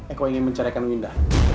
eko ingin mencerahkan winda